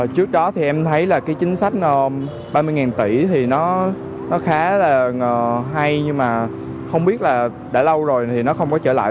trước đó thì em thấy là cái chính sách ba mươi tỷ thì nó khá là hay nhưng mà không biết là đã lâu rồi thì nó không có trở lại